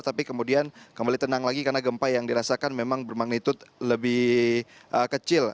tapi kemudian kembali tenang lagi karena gempa yang dirasakan memang bermagnitude lebih kecil